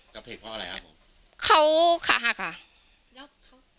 กระเพ็กเพราะอะไรครับ